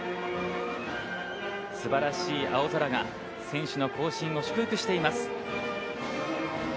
すばらしい青空が選手の行進を祝福しています。